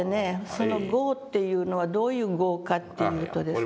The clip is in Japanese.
その「業」っていうのはどういう業かというとですね。